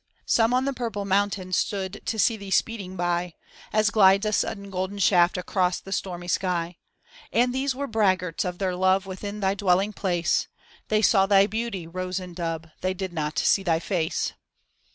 Some on the purple mountains stood to see thee speed ing by, As glides a sudden golden shaft across the stormy sky ; And these were braggarts of their love within thy dwelling place ; They saw thy beauty. Rosin Dubh, they did not see thy face.